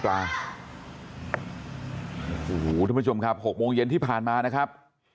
โอ้โหทุกผู้ชมครับ๖โมงเย็นที่ผ่านมานะครับ